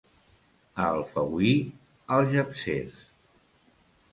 A Alfauir, algepsers.